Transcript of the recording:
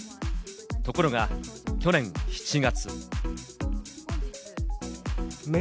ところが去年７月。